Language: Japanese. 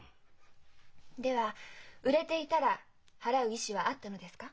では売れていたら払う意思はあったのですか？